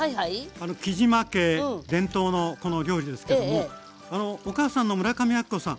杵島家伝統のこの料理ですけどもお母さんの村上昭子さん